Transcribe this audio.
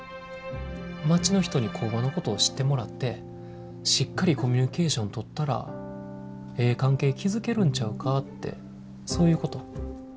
町の人に工場のことを知ってもらってしっかりコミュニケーション取ったらええ関係築けるんちゃうかってそういうこと？